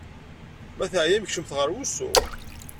Ma teɛyam, kecmet ɣer wusu.